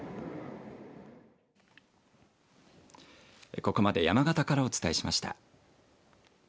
ここまで山形からお伝えしました。